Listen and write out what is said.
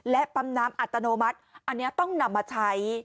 และปั๊มน้ำอัตโนมัติอันนี้ต้องนำมาใช้